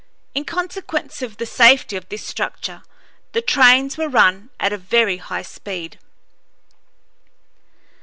In consequence of the safety of this structure, the trains were run at a very high speed.